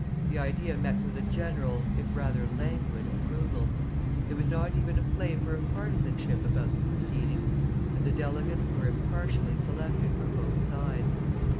The idea met with a general, if rather languid, approval. There was not even a flavour of partisanship about the proceedings, and the delegates were impartially selected from both sides.